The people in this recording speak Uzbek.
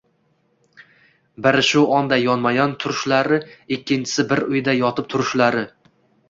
biri shu onda yonmayon turishlari, ikkinchisi bir uyda yotib turishlari.